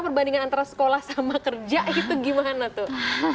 terbanding antara sekolah sama kerja itu gimana tuh